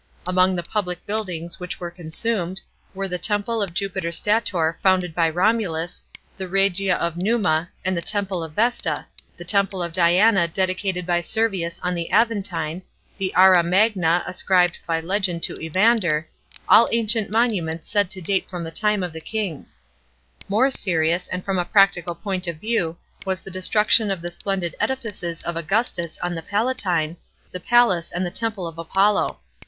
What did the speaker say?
Among the public buildings which were consumed, wer<". the temple of Jupiter Stator founded by Romulus, the Red v of Numa, and the temple of Vesta, the temple of Diana dedicated by Servius on the Aventine, the Ara Magna ascribed by legend to Evander — all ancient monuments said to date from the * See above, Chap. III. $ 5. 286 THE PBINCIPATE OF NEBO. CHAP. xvn. time of the kings. More serious, from a practical point of view, was the destruction of the splendid edifices of Augustus on the Palatine, the palace and the temple of Apollo.